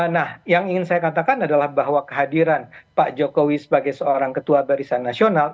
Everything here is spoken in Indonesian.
nah yang ingin saya katakan adalah bahwa kehadiran pak jokowi sebagai seorang ketua barisan nasional